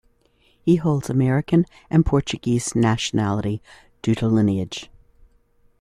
He holds American and Portuguese nationality, due to lineage.